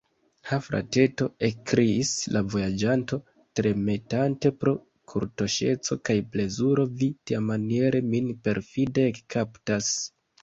Ha! frateto, ekkriis la vojaĝanto, tremetante pro kortuŝeco kaj plezuro; vi tiamaniere min perfide ekkaptas!